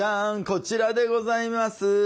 こちらでございます。